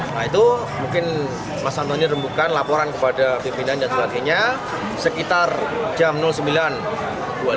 nah itu mungkin mas antoni rembukan laporan kepada pimpinan jatuh lakinya sekitar jam sembilan dua puluh lima menghubungi polsek muluarjo